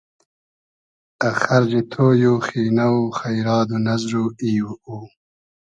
خئرجی تۉی و خینۂ و خݷراد و نئزر و ای و او